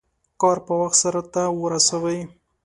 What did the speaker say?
کار په وخت سرته ورسوئ.